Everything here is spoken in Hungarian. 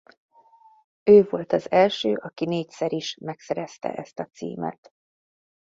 Ő volt az első aki négyszer is megszerezte ezt a címet.